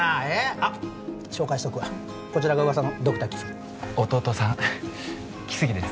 あっ紹介しとくわこちらが噂のドクター来生弟さん来生です